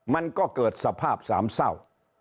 มันก็เกิดสภาพสามเศร้า